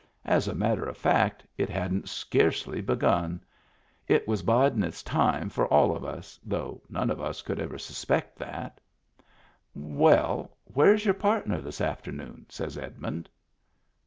As a matter of fact it hadn't scarcely begun ; it was bidin' its time for all of us, though none of us could ever suspect that "Well, where's your partner this afternoon?" says Edmund.